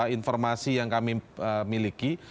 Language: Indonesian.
informasi yang kami miliki